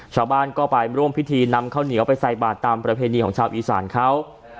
ชาวบ้านก็ไปร่วมพิธีนำข้าวเหนียวไปใส่บาทตามประเพณีของชาวอีสานเขา